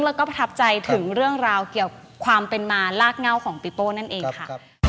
แล้วก็ประทับใจถึงเรื่องราวเกี่ยวความเป็นมาลากเง่าของปีโป้นั่นเองค่ะ